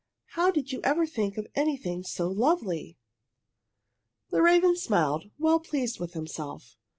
How did you ever think of anything so lovely?" The raven smiled, well pleased with himself.